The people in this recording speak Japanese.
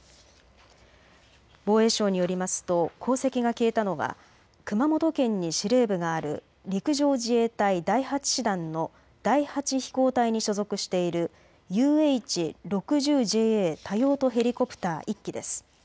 防衛省によりますと航跡が消えたのは熊本県に司令部がある陸上自衛隊第８師団の第８飛行隊に所属しているＵＨ６０ＪＡ多用途ヘリコプター１機です。